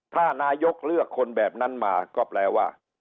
ถ้านายกเลือกคนแบบนั้นมาก็แปลว่า